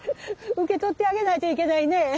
受け取ってあげないといけないね。